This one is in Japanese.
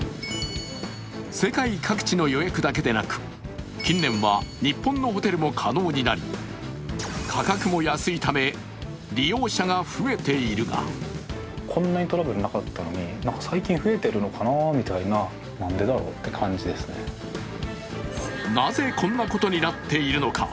世界各地の予約だけでなく、近年は日本のホテルも可能になり価格も安いため、利用者が増えているがなぜ、こんなことになっているのか。